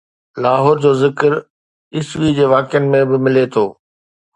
لاهور جو ذڪر عيسوي جي واقعن ۾ به ملي ٿو